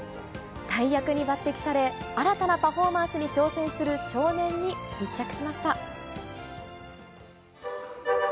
大役に抜てきされ、新たなパフォーマンスに挑戦する少年に密着しました。